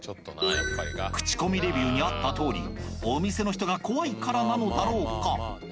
クチコミレビューにあった通りお店の人が怖いからなのだろうか？